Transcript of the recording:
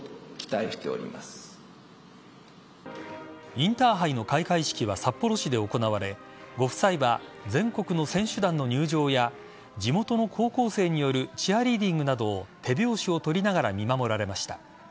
インターハイの開会式は札幌市で行われご夫妻は全国の選手団の入場や地元の高校生によるチアリーディングなどを手拍子を取りながら見守られました。